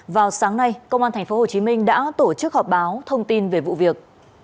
vào sáng nay công an tp hcm đã tổ chức họp báo thông tin về vụ việc